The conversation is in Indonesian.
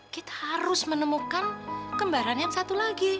kita harus menemukan kembaran yang satu lagi